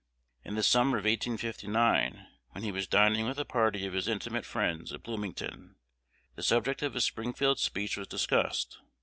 In the summer of 1859, when he was dining with a party of his intimate friends at Bloomington, the subject of his Springfield speech was discussed.